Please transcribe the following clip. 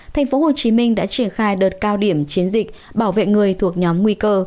tp hcm đã triển khai đợt cao điểm chiến dịch bảo vệ người thuộc nhóm nguy cơ